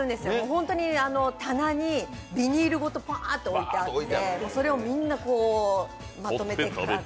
ホントに棚にビニールごとパーッと置いてあって、それをみんなこうまとめて買うという。